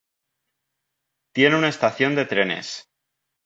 Tiene una estación de trenes.